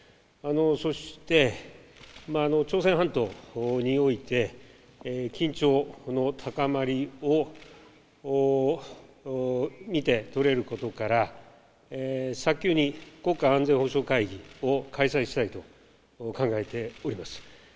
そして朝鮮半島において緊張の高まりを見て取れることから早急に国家安全保障会議を開催したいと考えております。